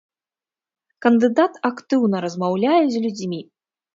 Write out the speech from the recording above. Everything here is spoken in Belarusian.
Кандыдат актыўна размаўляе з людзьмі.